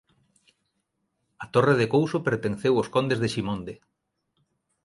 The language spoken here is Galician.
A Torre de Couso pertenceu aos Condes de Ximonde.